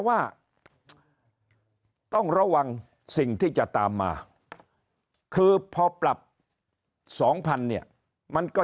ว่าต้องระวังสิ่งที่จะตามมาคือพอปรับ๒๐๐เนี่ยมันก็